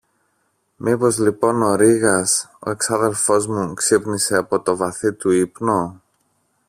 Μήπως λοιπόν ο Ρήγας, ο εξάδελφος μου, ξύπνησε από το βαθύ του ύπνο;